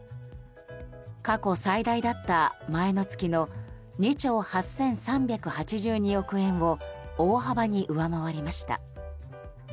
過去最大だった前の月の２兆８３８２億円を大幅に上回りました。